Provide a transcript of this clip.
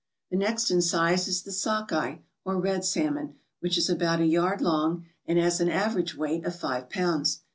The next in size is the sock eye, or red salmon, which is about a yard long and has an average weight of five pounds.